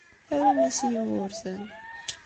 Arum-as i Yugurten!